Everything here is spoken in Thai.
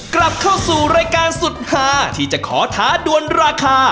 กลับเข้าสู่รายการสุดหาที่จะขอท้าดวนราคา